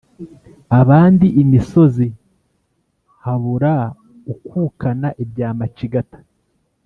abandi imisozi, habura ukukana ibya macigata;